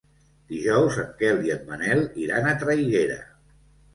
Dijous en Quel i en Manel iran a Traiguera.